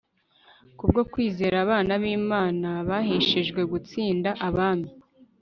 Kubwo kwizera abana bImana baheshejwe gutsinda abami